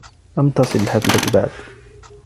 لم تصل الحافلة بعد.